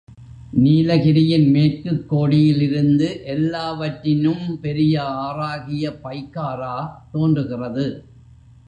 நீலகிரியின் மேற்குக் கோடியிலிருந்து எல்லாவற்றினும் பெரிய ஆறாகிய பைக்காரா தோன்றுகிறது.